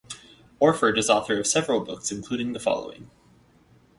Orford is author of several books including the following.